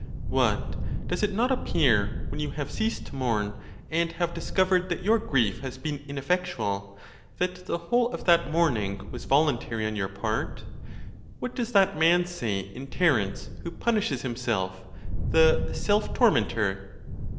What! does it not appear, when you haye ceased to mourn, and have discovered that your grief has been ineffectual, that the whole of that mourning was vol untary on your part? What does that man say in Ter ence who punishes himself, the Self tormentor